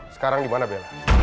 sekarang gimana bella